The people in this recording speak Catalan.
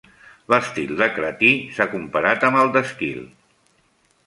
L'estil de Cratí s'ha comparat amb el d'Èsquil.